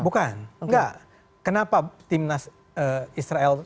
bukan kenapa timnas israel